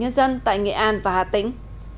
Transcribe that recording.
nhân dân tại nghệ an và hà tĩnh